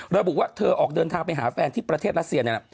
เราบอกว่าเธอออกเดินทางไปหาแฟนที่ประเทศรัสเซียน